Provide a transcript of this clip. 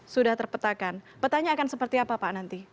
sudah terpetakan petanya akan seperti apa pak nanti